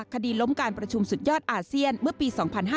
คดีล้มการประชุมสุดยอดอาเซียนเมื่อปี๒๕๕๙